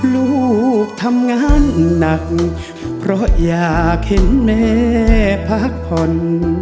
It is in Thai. ลูกทำงานหนักเพราะอยากเห็นแม่พักผ่อน